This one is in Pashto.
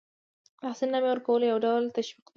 د تحسین نامې ورکول یو ډول تشویق دی.